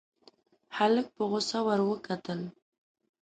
هلک په غوسه ور وکتل.